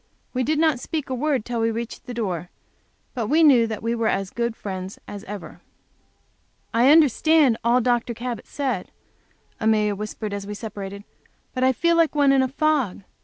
We did not speak a word till we reached the door, but we knew that we were as good friends as ever. "I understand all Dr. Cabot said," Amelia whispered, as we separated. But I felt like one in a fog.